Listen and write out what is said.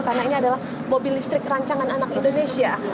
karena ini adalah mobil listrik rancangan anak indonesia